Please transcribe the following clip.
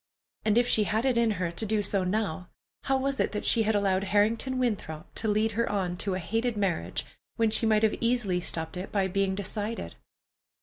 And if she had it in her to do so now, how was it that she had allowed Harrington Winthrop to lead her on to a hated marriage, when she might have easily stopped it by being decided?